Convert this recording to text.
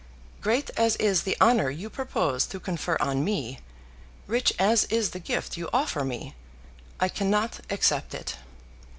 Great as is the honour you propose to confer on me, rich as is the gift you offer me, I cannot accept it.